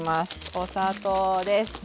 お砂糖です。